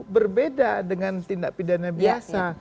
berbeda dengan tindak pidana biasa